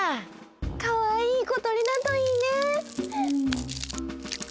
かわいい小とりだといいね。